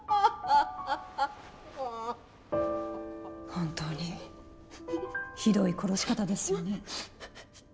本当にひどい殺し方ですよね。